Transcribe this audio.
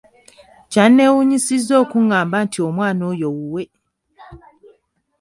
Kyannewuunyisizza okuղղamba nti omwana oyo wuwe!